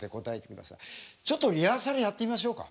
ちょっとリハーサルやってみましょうか。